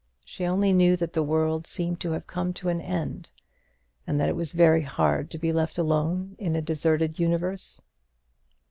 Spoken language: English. She only knew that the world seemed to have come to an end, and that it was very hard to be left alone in a deserted universe.